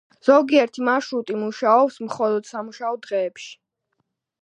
ზოგიერთი მარშრუტი მუშაობს მხოლოდ სამუშაო დღეებში.